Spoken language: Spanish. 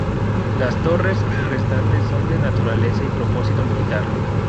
Las torres restantes son de naturaleza y propósito militar.